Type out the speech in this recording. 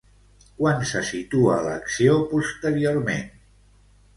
Quan se situa l'acció posteriorment?